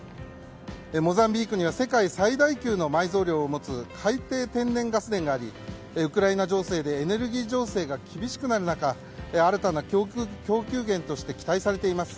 モザンビークには世界最大級の埋蔵量を持つ海底天然ガス田がありウクライナ情勢でエネルギー情勢が厳しくなる中新たな供給源として期待されています。